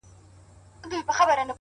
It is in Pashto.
هدف واضح وي نو وېره کمېږي.!